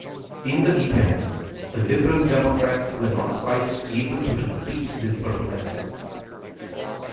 In the event, the Liberal Democrats were not quite able to repeat these performances.